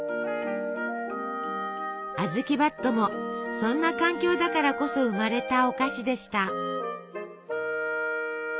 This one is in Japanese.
あずきばっともそんな環境だからこそ生まれたお菓子でした。